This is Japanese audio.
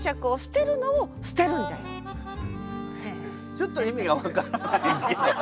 ちょっと意味が分からないんですけど。